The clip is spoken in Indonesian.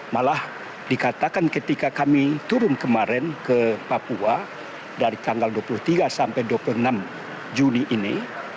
malah dikatakan ketika kami turun kemarin ke papua dari tanggal dua puluh tiga sampai dua puluh enam juni ini